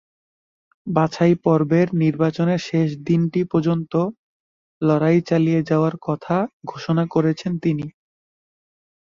বাছাইপর্বের নির্বাচনের শেষ দিনটি পর্যন্ত লড়াই চালিয়ে যাওয়ার কথা ঘোষণা করেছেন তিনি।